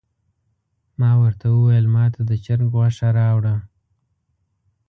ما ورته وویل ماته د چرګ غوښه راوړه.